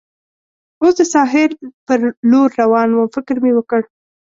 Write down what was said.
اوس د ساحل پر لور روان ووم، فکر مې وکړ.